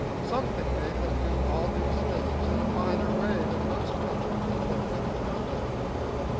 Something made them do all these things in a finer way than most country people would have done them.